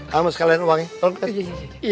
kamu sekalian uangnya tolong kasih